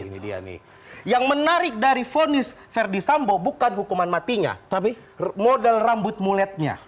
ini dia nih yang menarik dari vonis verdi sambo bukan hukuman matinya tapi modal rambut muletnya